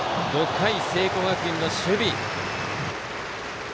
５回、聖光学院の守備。